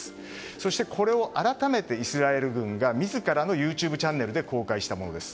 そして、これを改めてイスラエル軍が自らのＹｏｕＴｕｂｅチャンネルで公開したものです。